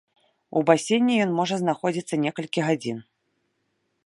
У басейне ён можа знаходзіцца некалькі гадзін.